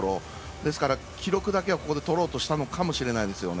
ですから、記録だけはここでとろうとしたのかもしれないですね。